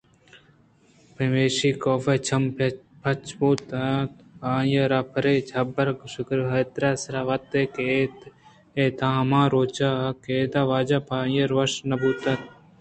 پمیشی کافءِ چم پچ بوت اَنت ءُ آئی ءَ را پرے حبرءَ شگر ءُحیراتے سرا اَت کہ اے تہ ہما روچ ءَ کہ آ اِدا واجہ چہ آئی ءَ وش نہ اِت اَنت